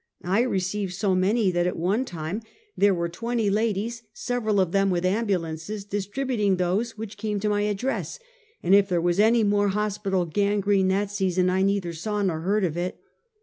I received so many, that at one time there were Get Permission to Woek. 253 twenty ladies, several of tliem with ambulances, dis tributing those which came to my address, and if there was any n^ore hospital gangrene that season I neither saw nor heard of it.